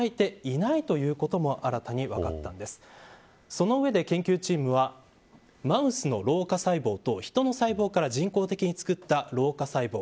その上で研究チームはマウスの老化細胞とヒトの細胞から人工的に作った老化細胞